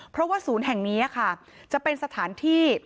เพราะว่าศูนย์แห่งนี้ค่ะจะเป็นสถานที่